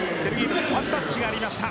ワンタッチがありました。